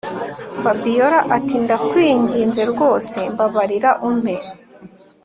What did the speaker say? Fabiora atindakwinginze rwose mbararira umpe